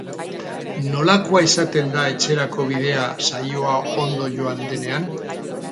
Nolakoa izaten da etxerako bidea saioa ondo joan denean?